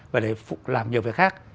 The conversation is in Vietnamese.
và để làm nhiều việc khác